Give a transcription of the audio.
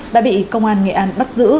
đã bị công an nghệ an bắt giữ